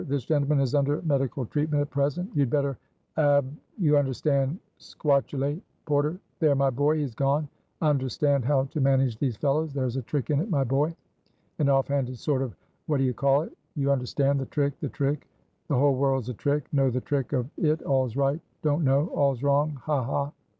this gentleman is under medical treatment at present. You had better ab' you understand 'squatulate, porter! There, my boy, he is gone; I understand how to manage these fellows; there's a trick in it, my boy an off handed sort of what d'ye call it? you understand the trick! the trick! the whole world's a trick. Know the trick of it, all's right; don't know, all's wrong. Ha! ha!"